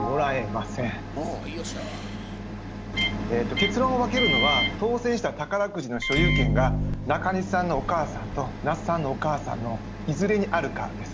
結論を分けるのは当せんした宝くじの所有権が中西さんのお母さんと那須さんのお母さんのいずれにあるかです。